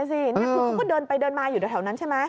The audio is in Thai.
นี่คือเขาก็เดินไปเดินมาอยู่แถวนั้นใช่ไหม